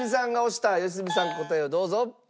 良純さん答えをどうぞ！